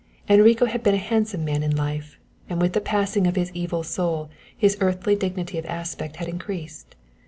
Enrico had been a handsome man in life, and with the passing of his evil soul his earthly dignity of aspect had increased.